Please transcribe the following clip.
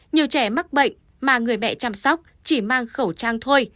nhiều trẻ mắc bệnh mà người mẹ chăm sóc chỉ mang khẩu trang thôi